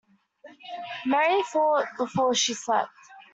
Mary fought before she slept.